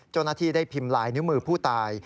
เจ้าหน้าที่ได้พิมพ์ลายนิ้วมือผู้ตาย